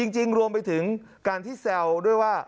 จริงรวมไปถึงการที่แซวด้วยว่า